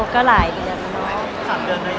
ก็หลายเดือนแล้วเนอะ